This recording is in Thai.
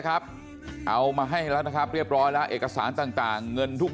ครับเอามาให้แล้วนะครับเรียบร้อยแล้วเอกสารต่างเงินทุก